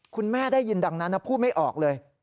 คุณแม่ได้ยินดังนั้นพูดไม่ออกเลย